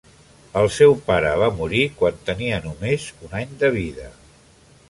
El seu pare va morir quan tenia només un any de vida.